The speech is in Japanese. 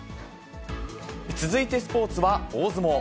続いてスポーツは大相撲。